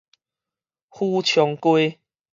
許昌街